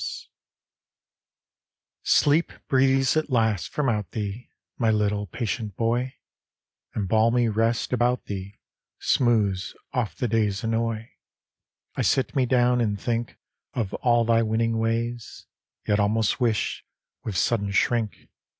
] LEEP breathes at last from out thee, My little, patient boy ; And balmy rest about thee Smooths off the day's annoy. I sit me down, and think Of all thy winning ways ; Yet almost wish, with sudden shrink.